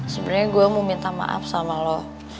sebenarnya gue mau minta maaf sama lo